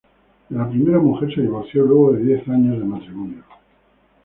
De la primera mujer se divorció luego de diez años de matrimonio.